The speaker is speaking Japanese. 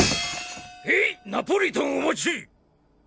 ヘイナポリタンお待ち！